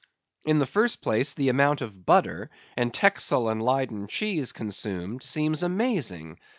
In the first place, the amount of butter, and Texel and Leyden cheese consumed, seems amazing.